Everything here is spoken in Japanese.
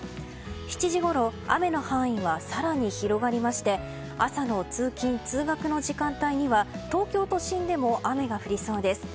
７時ごろ、雨の範囲は更に広がりまして朝の通勤・通学の時間帯には東京都心でも雨が降りそうです。